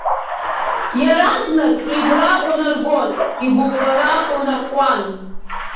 Иаразнак игәра унаргон, игәыблра унаркуан.